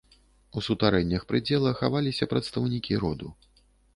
У сутарэннях прыдзела хаваліся прадстаўнікі роду.